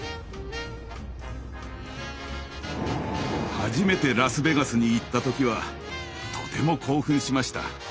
初めてラスベガスに行った時はとても興奮しました。